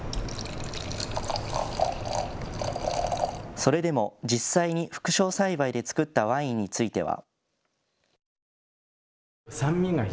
それでも実際に副梢栽培で造ったワインについては。